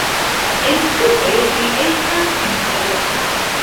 Entute ĝi estas interesa.